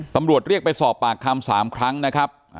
ตำรวจเรียกไปสอบปากคำ๓ครั้งนะครับ